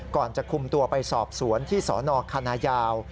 ก่อนจะคุมตัวไปสอบสวนที่สนคณะยาว